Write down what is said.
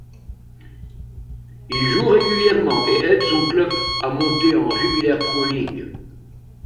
Il joue régulièrement et aide son club à monter en Jupiler Pro League.